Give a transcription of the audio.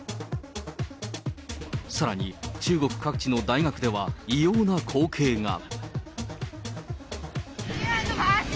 さらに、中国各地の大学では、異様な光景が。